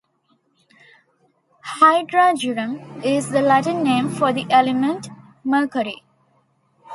"Hydrargyrum" is the Latin name for the element mercury.